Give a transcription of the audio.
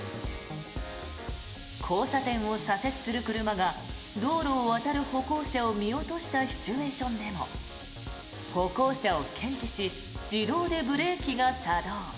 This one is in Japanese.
交差点を左折する車が道路を渡る歩行者を見落としたシチュエーションでも歩行者を検知し自動でブレーキが作動。